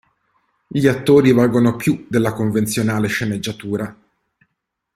Gli attori valgono più della convenzionale sceneggiatura.".